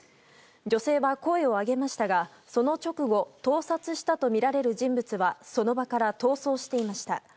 女性は声を上げましたがその直後盗撮したとみられる人物はその場から逃走していました。